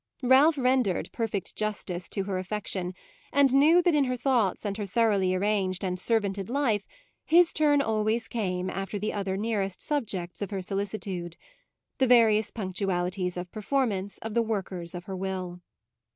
Ralph rendered perfect justice to her affection and knew that in her thoughts and her thoroughly arranged and servanted life his turn always came after the other nearest subjects of her solicitude, the various punctualities of performance of the workers of her will.